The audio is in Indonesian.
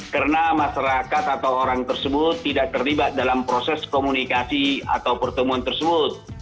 karena masyarakat atau orang tersebut tidak terlibat dalam proses komunikasi atau pertemuan tersebut